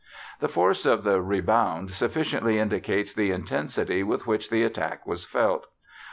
The force of the rebound sufficiently indicates the intensity with which the attack was felt.